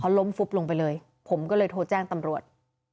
ล้มฟุบลงไปเลยผมก็เลยโทรแจ้งตำรวจ